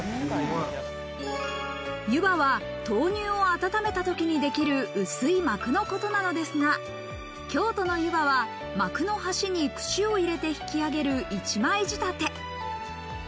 ゆばは豆乳を温めた時にできる薄い膜のことなのですが、京都のゆばは膜の端に串を入れて引き上げる一枚仕立て。